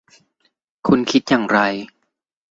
คุณคิดอย่างไร ?